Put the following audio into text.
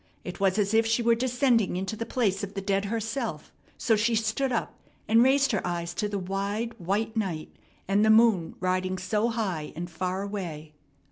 It was as if she were descending into the place of the dead herself; so she stood up and raised her eyes to the wide white night and the moon riding so high and far away.